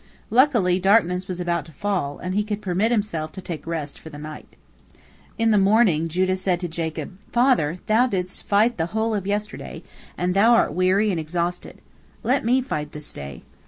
Luckily, darkness was about to fall, and he could permit himself to take rest for the night. In the morning, Judah said to Jacob, "Father, thou didst fight the whole of yesterday, and thou art weary and exhausted. Let me fight this day."